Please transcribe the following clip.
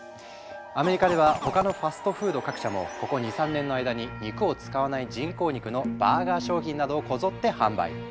アメリカでは他のファストフード各社もここ２３年の間に肉を使わない人工肉のバーガー商品などをこぞって販売。